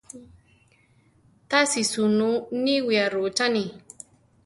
Tási sunú niwía rucháni.